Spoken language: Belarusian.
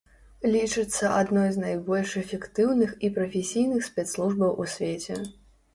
Лічыцца адной з найбольш эфектыўных і прафесійных спецслужбаў у свеце.